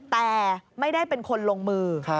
แต่ไม่ได้เป็นคนลงมือ